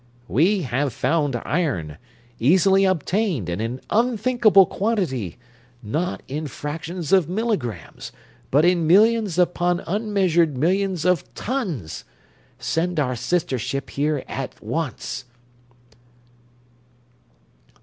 "We have found iron easily obtained and in unthinkable quantity not in fractions of milligrams, but in millions upon unmeasured millions of tons! Send our sister ship here as once!"